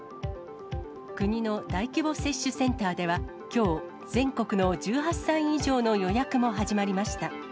国の大規模接種センターではきょう、全国の１８歳以上の予約も始まりました。